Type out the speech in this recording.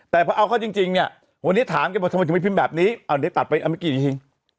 แต่พอเอาเขาจริงจริงเนี้ยวันนี้ถามแบบนี้เอาอันนี้ตัดไปเอาเมื่อกี้อีกที